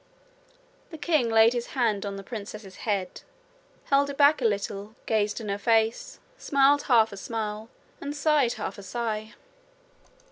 The king laid his hand on his princess's head, held it back a little, gazed in her face, smiled half a smile, and sighed half a sigh.